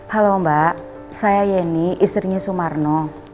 halo mbak saya yeni istrinya sumarno